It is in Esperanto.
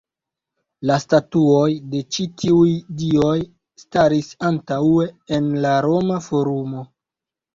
La statuoj de ĉi tiuj dioj staris antaŭe en la Roma Forumo.